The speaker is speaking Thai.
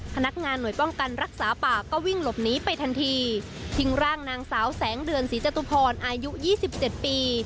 พนักงานหน่วยป้องกันรักษาป่าก็วิ่งหลบหนีไปทันทีทิ้งร่างนางสาวแสงเดือนศรีจตุพรอายุยี่สิบเจ็ดปี